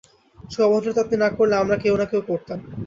সে অভদ্রতা আপনি না করলে আমরা কেউ-না-কেউ করতেম।